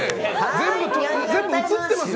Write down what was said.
全部映ってますよ！